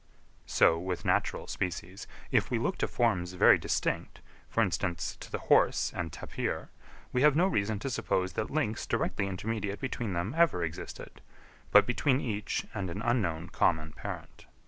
So with natural species, if we look to forms very distinct, for instance to the horse and tapir, we have no reason to suppose that links directly intermediate between them ever existed, but between each and an unknown common parent.